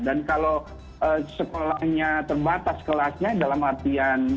dan kalau sekolahnya terbatas kelasnya dalam artian